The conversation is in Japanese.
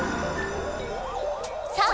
さあ！